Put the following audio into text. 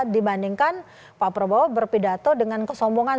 dibandingkan pak prabowo berpidato dengan kesombongan